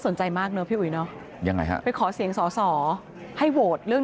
สนใจมากนะพี่อุ๋ยนะยังไงครับไปขอเสียงสสอให้โหดเรื่อง